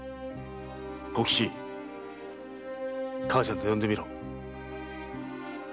小吉“母ちゃん”と呼んでみろ。